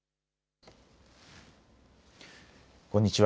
こんにちは。